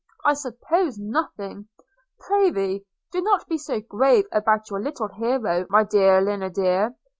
I suppose nothing – Pr'ythee do not be so grave about your little Hero, my dear Leander!'